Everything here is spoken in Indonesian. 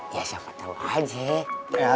ya siapa tau aja